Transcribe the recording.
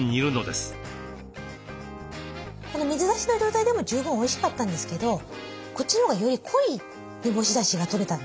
この水出しの状態でも十分おいしかったんですけどこっちのほうがより濃い煮干しだしがとれたんですよね。